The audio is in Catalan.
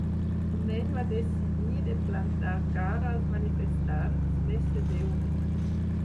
Un nen va decidir de plantar cara als manifestants, més de deu mil.